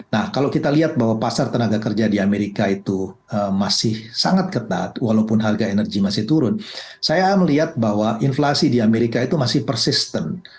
nah kalau kita lihat bahwa pasar tenaga kerja di amerika itu masih sangat ketat walaupun harga energi masih turun saya melihat bahwa inflasi di amerika itu masih persisten